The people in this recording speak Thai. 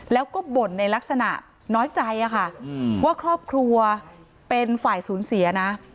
แล้วก็บ่นในลักษณะน้อยใจค่ะว่าครอบครัวเป็นฝ่ายสูญเสียนะ